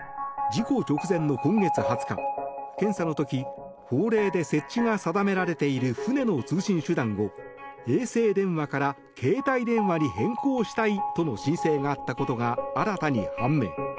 事故直前の今月２０日検査の時法令で設置が定められている船の通信手段を衛星電話から携帯電話に変更したいとの申請があったことが新たに判明。